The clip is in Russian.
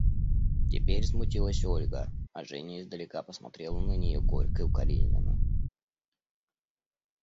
Теперь смутилась Ольга, а Женя издалека посмотрела на нее горько и укоризненно.